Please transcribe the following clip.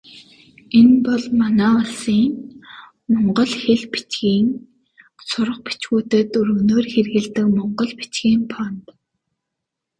Энэ бол манай улсын монгол хэл, бичгийн сурах бичгүүдэд өргөнөөр хэрэглэдэг монгол бичгийн фонт.